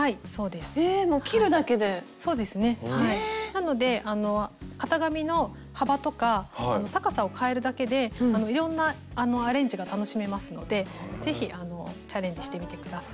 なので型紙の幅とか高さをかえるだけでいろんなアレンジが楽しめますので是非チャレンジしてみて下さい。